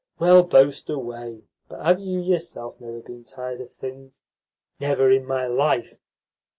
"Well, boast away, but have you yourself never been tired of things?" "Never in my life.